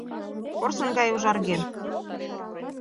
Порсын гае ужарген